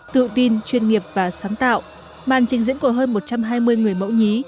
tự tin chuyên nghiệp và sáng tạo màn trình diễn của hơn một trăm hai mươi người mẫu nhí